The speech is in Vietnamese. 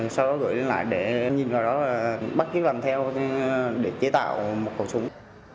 sau đó gửi lên lại để nhìn vào đó bắt chế làm theo để chế tạo một khẩu súng